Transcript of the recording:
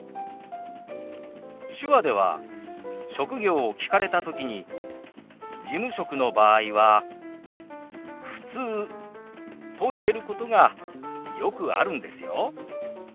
手話では職業を聞かれた時に事務職の場合は「ふつう」と入れることがよくあるんですよ。